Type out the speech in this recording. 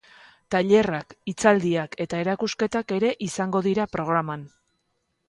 Tailerrak, hitzaldiak eta erakusketak ere izango dira programan.